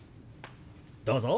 どうぞ。